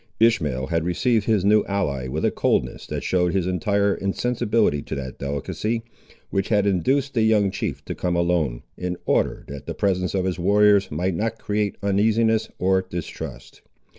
Ishmael had received his new ally with a coldness that showed his entire insensibility to that delicacy, which had induced the young chief to come alone, in order that the presence of his warriors might not create uneasiness, or distrust.